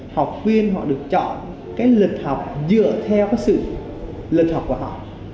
học viên họ được chọn lịch học dựa theo sự lịch học của họ